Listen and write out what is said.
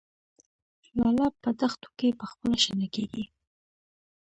لاله په دښتو کې پخپله شنه کیږي